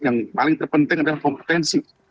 yang paling terpenting adalah kompetensi